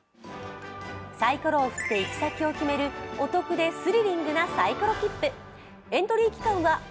サイコロを振って行き先を決めるお得でスリリングなサイコロきっぷ。